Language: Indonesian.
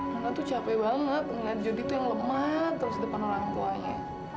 nona tuh capek banget ngeliat jodi tuh yang lemah terus depan orang tuanya